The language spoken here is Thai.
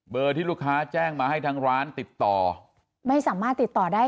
ที่ลูกค้าแจ้งมาให้ทางร้านติดต่อไม่สามารถติดต่อได้